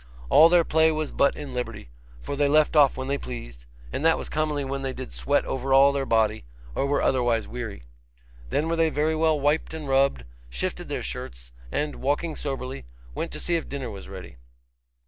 All their play was but in liberty, for they left off when they pleased, and that was commonly when they did sweat over all their body, or were otherwise weary. Then were they very well wiped and rubbed, shifted their shirts, and, walking soberly, went to see if dinner was ready.